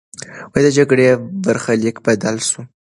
د جګړې برخلیک بدل سو.